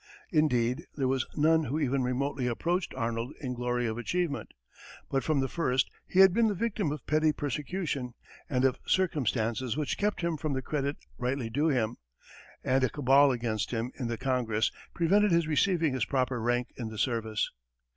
Indeed, there was none who even remotely approached Arnold in glory of achievement. But from the first he had been the victim of petty persecution, and of circumstances which kept from him the credit rightly due him; and a cabal against him in the Congress prevented his receiving his proper rank in the service.